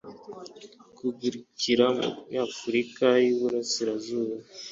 kugarukira muri afurika y uburasirazuba